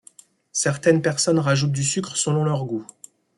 Certaines personnes rajoutent du sucre selon leur goût.